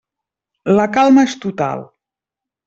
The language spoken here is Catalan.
La calma és total.